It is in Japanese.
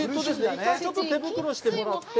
ちょっと手袋をしてもらって。